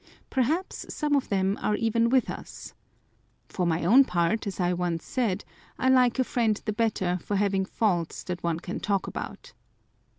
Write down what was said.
Perhaps some of them are even with us. For my own part, as I once said, I like a friend the better for having faults that one can talk about.